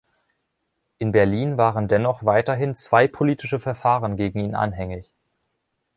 In Berlin waren dennoch weiterhin zwei politische Verfahren gegen ihn anhängig.